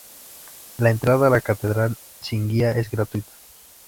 La entrada a la catedral sin guía es gratuita.